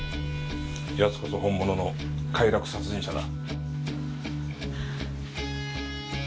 奴こそ本物の快楽殺人者だ。